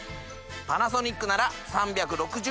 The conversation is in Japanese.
パナソニックなら３６０°